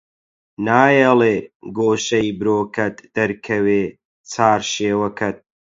نایەڵێ گۆشەی برۆکەت دەرکەوێ چارشێوەکەت